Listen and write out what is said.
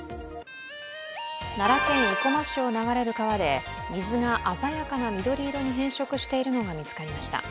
奈良県生駒市を流れる川で水が鮮やかな緑色に変色しているのが見つかりました。